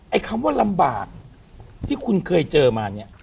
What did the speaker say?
คำว่าลำบากที่คุณเคยเจอมาเนี่ย